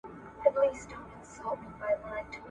اسلامي دولت د مسلمانانو مشورې او د بیعت په اساس رامنځ ته کیږي.